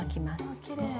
わきれい。